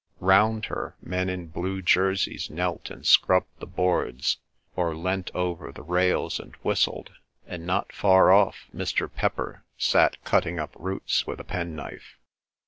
Round her men in blue jerseys knelt and scrubbed the boards, or leant over the rails and whistled, and not far off Mr. Pepper sat cutting up roots with a penknife.